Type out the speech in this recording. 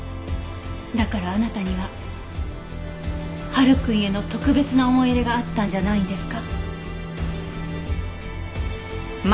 だからあなたには晴くんへの特別な思い入れがあったんじゃないんですか？